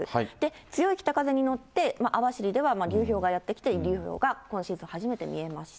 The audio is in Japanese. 強い北風に乗って、網走では流氷がやって来て、今シーズン初めて見えました。